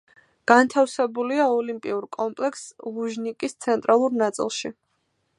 განთავსებულია ოლიმპიურ კომპლექს „ლუჟნიკის“ ცენტრალურ ნაწილში.